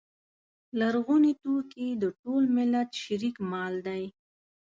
لرغوني توکي د ټول ملت شریک مال دی.